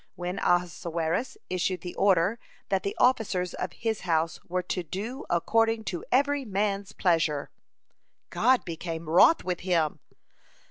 When Ahasuerus issued the order, that the officers of his house were to "do according to every man's pleasure," God became wroth with him.